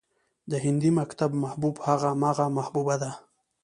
د هندي مکتب محبوب همغه محبوبه ده